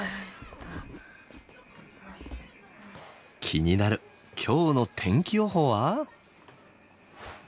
気になる今日の天気予報は？